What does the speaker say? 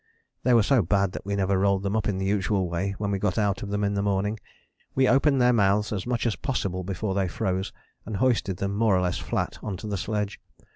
They were so bad that we never rolled them up in the usual way when we got out of them in the morning: we opened their mouths as much as possible before they froze, and hoisted them more or less flat on to the sledge.